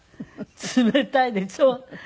冷たいでしょ？